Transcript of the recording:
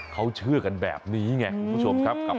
เขาเชื่อกันแบบนี้ไงคุณผู้ชมครับ